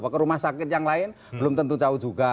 ke rumah sakit yang lain belum tentu jauh juga